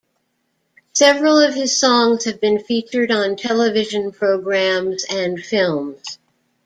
Several of his songs have been featured on television programs and films.